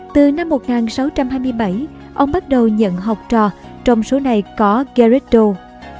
từ năm một nghìn sáu trăm hai mươi bảy ông bắt đầu nhận học trò trong số này có garetdo